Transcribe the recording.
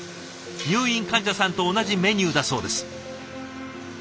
入院患者さんと同じメニューだそうです。